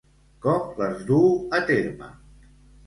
Com les duu a terme?